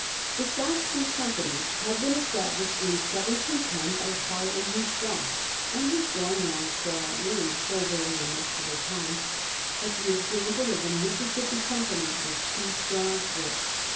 The South Sea Company had been established in 1710 by Harley himself, and was going along quietly and soberly enough for the time ; but the example of the Mississippi Company was too strong for it.